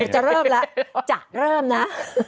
จะเริ่มแล้วจะเริ่มนะ